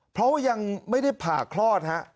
เพราะว่ายังไม่ได้ผ่าคลอดฮะ